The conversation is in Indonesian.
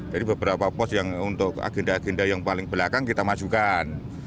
jadi beberapa pos yang untuk agenda agenda yang paling belakang kita majukan